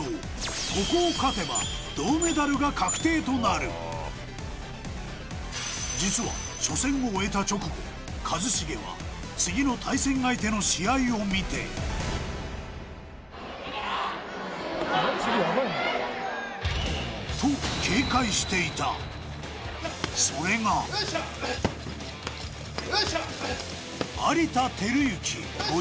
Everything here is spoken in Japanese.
ここを勝てば銅メダルが確定となる実は初戦を終えた直後一茂は次の対戦相手の試合を見てと警戒していたそれがよいしょ！